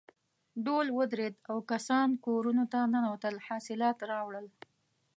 ډول ودرېد او کسان کورونو ته ننوتل حاصلات راوړل.